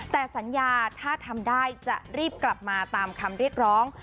แต่สัญญาถ้าทำได้จะรีบกลับมาตามคำเรียกร้อง